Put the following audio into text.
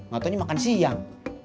gak taunya makan siang